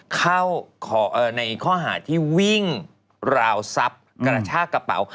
เข้าในข้อหาที่วิ่งราวทรัพย์กระชากระเป๋า